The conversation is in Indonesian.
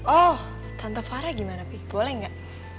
oh tante farah gimana pi boleh enggak